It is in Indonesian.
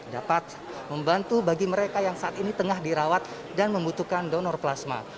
dapat membantu bagi mereka yang saat ini tengah dirawat dan membutuhkan donor plasma